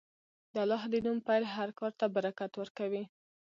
د الله د نوم پیل هر کار ته برکت ورکوي.